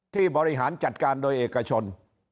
บริหารจัดการโดยเอกชน